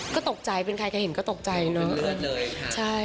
ก็ตกใจเป็นใครเห็นกัตกใจเนาะ